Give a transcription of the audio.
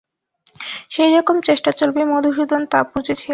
সেইরকম চেষ্টা চলবে মধুসূদন তা বুঝেছিল।